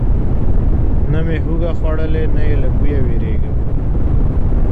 نه مې هوږه خوړلې، نه یې له بویه ویریږم.